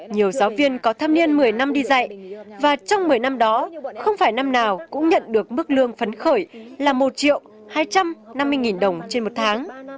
nhiều giáo viên có thâm niên một mươi năm đi dạy và trong một mươi năm đó không phải năm nào cũng nhận được mức lương phấn khởi là một hai trăm năm mươi đồng trên một tháng